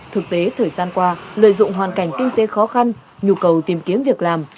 thực tế thời gian qua lợi dụng hoàn cảnh kinh tế khó khăn nhu cầu tìm kiếm việc làm